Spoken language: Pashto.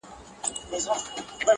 چی په ژوند کی مو لیدلي دي اورونه٫